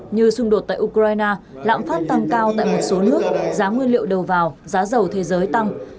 như xung đột tại ukraine lạm phát tăng cao tại một số nước giá nguyên liệu đầu vào giá dầu thế giới tăng